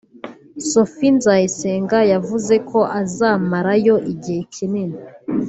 Sophie Nzayisenga yavuze ko azamarayo igihe kinini